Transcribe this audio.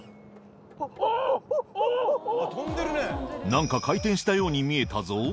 何か回転したように見えたぞ